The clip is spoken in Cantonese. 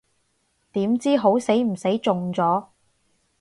點知好死唔死中咗